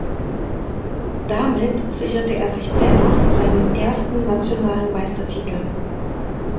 Damit sicherte er sich dennoch seinen ersten nationalen Meistertitel.